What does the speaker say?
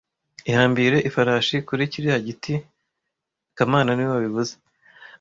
Ihambire ifarashi kuri kiriya giti kamana niwe wabivuze